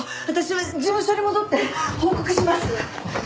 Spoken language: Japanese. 私は事務所に戻って報告します！